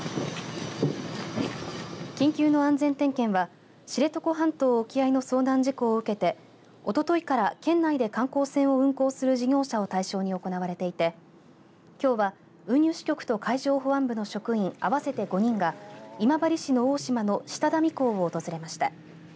緊急の安全点検は知床半島沖合の遭難事故を受けておとといから県内で観光船を運航する事業者を対象に行われていてきょうは運輸支局と海上保安部の職員合わせて５人が今治市の大島の下田水港を訪れました。